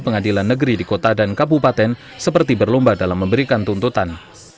pengadilan negeri di kota dan kabupaten seperti berlomba dalam memberikan tuntutan